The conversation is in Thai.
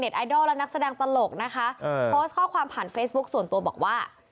ไอดอลและนักแสดงตลกนะคะโพสต์ข้อความผ่านเฟซบุ๊คส่วนตัวบอกว่า